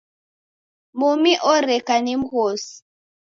Mumi oreka ni mghosi.